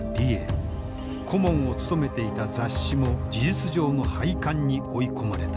顧問を務めていた雑誌も事実上の廃刊に追い込まれた。